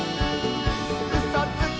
「うそつき！」